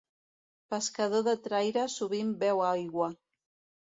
Pescador de traire sovint beu aigua.